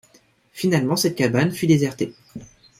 Finalement cette cabane fut désertée.